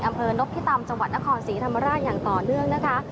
อำเภอนพิตำจังหวัดนครศรีธรรมราชอย่างต่อเนื่องนะคะ